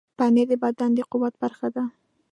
پنېر د بدن د قوت برخه ده.